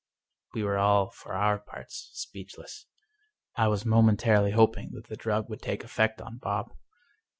We were all, for our parts, speechless. I was momen tarily hoping that the drug would take effect on Bob.